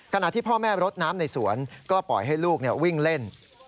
ขณะที่พ่อแม่รดน้ำในสวนก็ปล่อยให้ลูกวิ่งเล่น